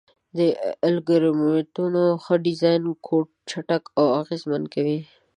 د الګوریتمونو ښه ډیزاین کوډ چټک او اغېزمن کوي.